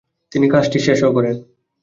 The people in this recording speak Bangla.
তিনি কাজটি শেষও করেন।